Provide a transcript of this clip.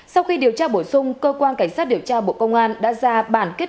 sau khi điều tra bổ sung cơ quan cảnh sát điều tra bộ công an đã ra bản kết